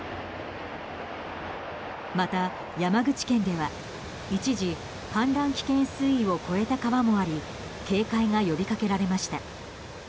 また、山口県では一時氾濫危険水位を超えた川もあり警戒が呼びかけられました。